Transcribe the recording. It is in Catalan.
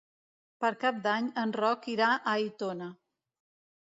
Per Cap d'Any en Roc irà a Aitona.